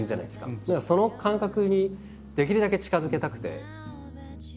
だからその感覚にできるだけ近づけたくて。